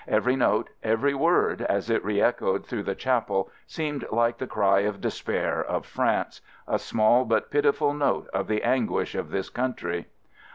Every note, every word, as it re echoed through the chapel, seemed like the cry of despair of France — a small but pitiful note of the anguish of this country.